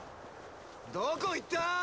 どこ行った！！